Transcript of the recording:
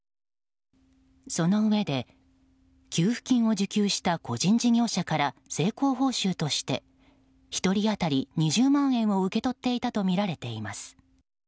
そのうえで、給付金を受給した個人事業者から成功報酬として１人当たり２０万円を受け取っていたとみられています。